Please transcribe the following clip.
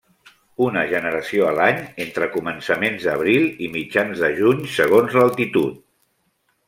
Una generació a l'any entre començaments d'abril i mitjans de juny, segons l'altitud.